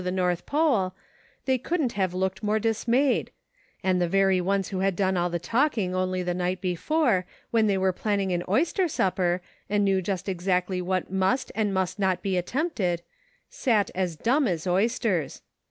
127 the north pole, they couldn't have looked more dismayed ; and the very ones who had done all the talking only the night before, when we were plan ning an oyster supper, and knew just exactly what must and must not be attempted, sat as dumb as oysters.